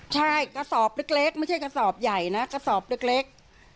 ใช่กระสอบเล็กไม่ใช่กระสอบใหญ่นะกระสอบเล็ก